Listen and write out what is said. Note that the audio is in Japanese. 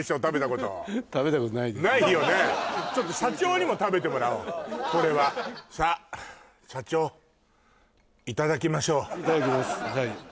食べたことないよね社長にも食べてもらおうこれはさっ社長いただきましょういただきます